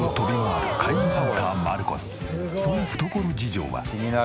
その懐事情は。